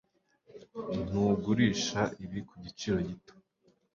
Ntugurisha ibi kugiciro gito?